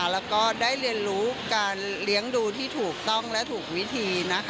แล้วก็ได้เรียนรู้การเลี้ยงดูที่ถูกต้องและถูกวิธีนะ